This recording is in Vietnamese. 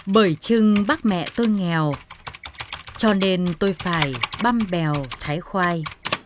bởi chừng bác mẹ tôi nghèo cho nên tôi phải băm bèo thái khoai